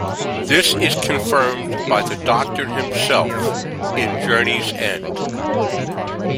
This is confirmed by The Doctor himself in "Journey's End".